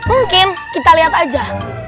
mungkin kita lihat aja